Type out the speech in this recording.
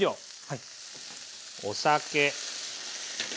お酒。